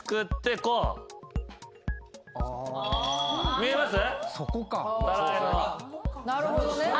見えます？